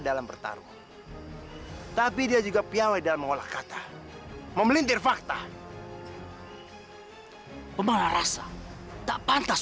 dalam bertarung tapi dia juga piawai dalam mengolah kata memelintir fakta pembala rasa tak pantas